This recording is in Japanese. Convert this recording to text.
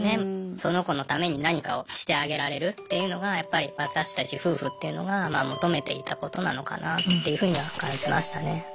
その子のために何かをしてあげられるっていうのがやっぱり私たち夫婦っていうのが求めていたことなのかなっていうふうには感じましたね。